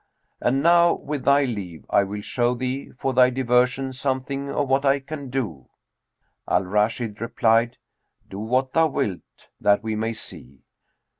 And now, with thy leave, I will show thee, for thy diversion, something of what I can do." Al Rashid replied, "Do what thou wilt, that we may see."